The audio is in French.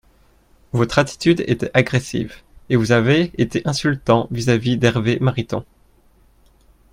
Votre attitude était agressive et vous avez été insultant vis-à-vis d’Hervé Mariton.